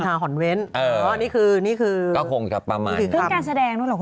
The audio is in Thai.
การแสดงด้วยหรอคุณแม่